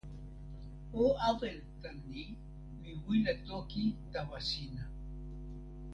o awen tan ni: mi wile toki tawa sina.